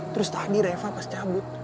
terus tadi reva pas cabut